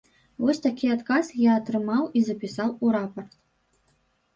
Вось такі адказ я атрымаў і запісаў у рапарт.